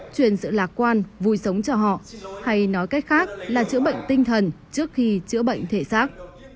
truyền sự lạc quan vui sống cho họ hay nói cách khác là chữa bệnh tinh thần trước khi chữa bệnh thể xác